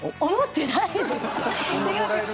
違う違う。